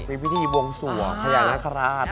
มีพิธีบวงสวะขยานาคาราช